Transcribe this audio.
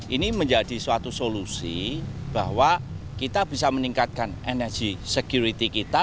ini menjadi suatu solusi bahwa kita bisa meningkatkan energi security kita